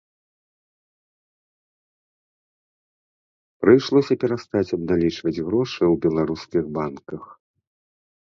Прыйшлося перастаць абналічваць грошы ў беларускіх банках.